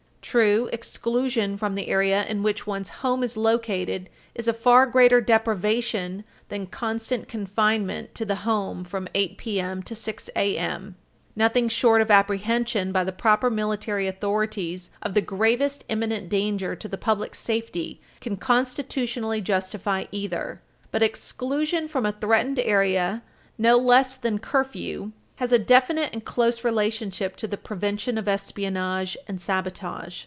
True, exclusion from the area in which one's home is located is a far greater deprivation than constant confinement to the home from 8 p.m. to 6 a.m. Nothing short of apprehension by the proper military authorities of the gravest imminent danger to the public safety can constitutionally justify either. But exclusion from a threatened area, no less than curfew, has a definite and close relationship to the prevention of espionage and sabotage.